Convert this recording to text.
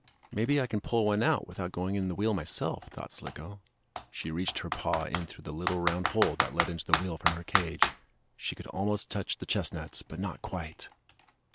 "Maybe I can pull one out without going in the wheel myself," thought Slicko. She reached her paw in through the little round hole that led into the wheel from her cage. She could almost touch the chestnuts, but not quite.